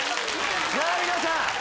さあ皆さん